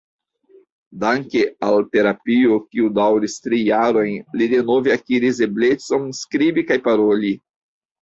Danke al terapio kiu daŭris tri jarojn, li denove akiris eblecon skribi kaj paroli.